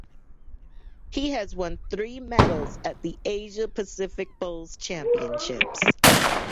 He has won three medals at the Asia Pacific Bowls Championships.